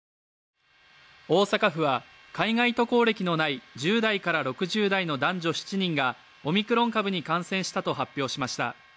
大阪府は海外渡航歴のない１０代から６０代の男女７人がオミクロン株に感染したと発表しました。